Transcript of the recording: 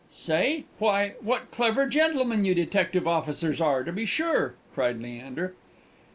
"Say? Why, what clever gentlemen you detective officers are, to be sure!" cried Leander.